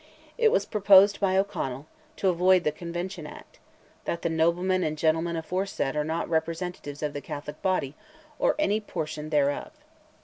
It was proposed by O'Connell, to avoid "the Convention Act," "that the noblemen and gentlemen aforesaid are not representatives of the Catholic body, or any portion thereof."